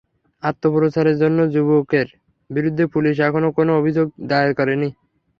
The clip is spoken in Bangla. আত্মপ্রচারে জন্য যুবকের বিরুদ্ধে পুলিশ এখনো কোনো অভিযোগ দায়ের করেনি।